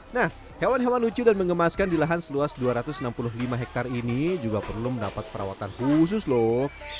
nah hewan hewan lucu dan mengemaskan di lahan seluas dua ratus enam puluh lima hektare ini juga perlu mendapat perawatan khusus loh